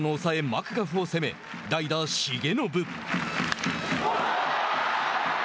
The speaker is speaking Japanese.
マクガフを攻め代打、重宣。